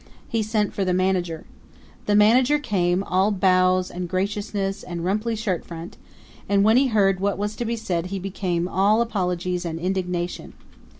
He sent for the manager. The manager came, all bows and graciousness and rumply shirtfront; and when he heard what was to be said he became all apologies and indignation.